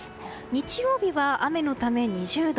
日曜日は雨のため２０度。